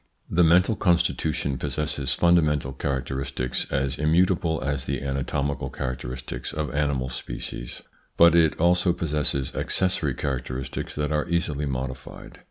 The mental constitution possesses fundamental characteristics as immutable as the anatomical characteristics of animal species, but it also possesses accessory characteristics that are easily modified.